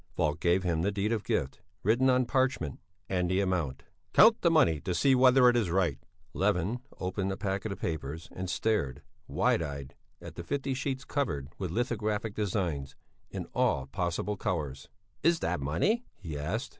Falk gave him the deed of gift, written on parchment, and the amount. "Count the money to see whether it is right." Levin opened a packet of papers and stared, wide eyed, at fifty sheets covered with lithographic designs, in all possible colours. "Is that money?" he asked.